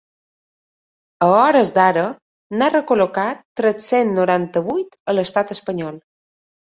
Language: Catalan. A hores d’ara n’ha recol·locats tres-cents noranta-vuit a l’estat espanyol.